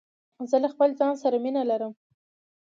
زه له خپل ځان سره مینه لرم.